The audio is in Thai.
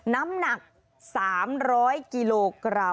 น้ำหนัก๓๐๐กิโลกรัม